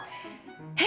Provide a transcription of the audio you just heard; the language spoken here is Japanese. えっ⁉